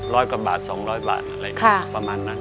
ร้อยกว่าบาท๒๐๐๐บาท